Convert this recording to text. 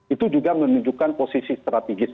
itu juga menunjukkan posisi strategis